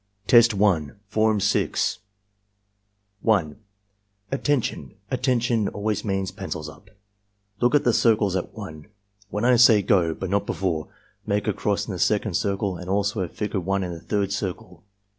Test 1, Form 6 1. "Attention! 'Attention' always means 'Pencils up,' Look at the circles at 1. When I say 'go' but not before, make a cross in the second circle and also a figure 1 in the third circle.